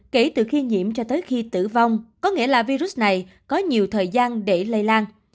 kể từ khi nhiễm cho tới khi tử vong có nghĩa là virus này có nhiều thời gian để lây lan